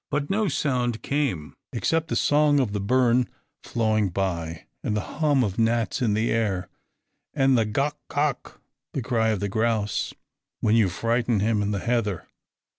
But no sound came, except the song of the burn flowing by, and the hum of gnats in the air, and the gock, gock, the cry of the grouse, when you frighten him in the heather.